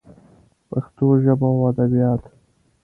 پښتو ژبه او ادبیات